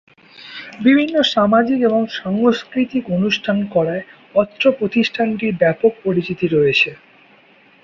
বিভিন্ন সামাজিক এবং সাংস্কৃতিক অনুষ্ঠান করায় অত্র প্রতিষ্ঠানটির ব্যাপক পরিচিতি রয়েছে।